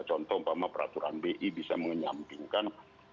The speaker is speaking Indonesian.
contoh umpama peraturan bi bisa menyampingkan